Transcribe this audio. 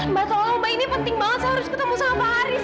mbak soal mbak ini penting banget saya harus ketemu sama pak arief